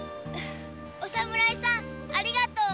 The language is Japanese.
おさむらいさんありがとう